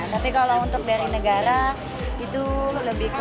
tapi kalau untuk dari negara itu lebih ke